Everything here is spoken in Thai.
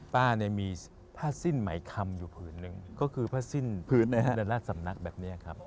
ป้าเนี่ยมีพระสิ้นหมายคำอยู่ผืนนึงก็คือพระสิ้นราชสำนักแบบนี้ครับ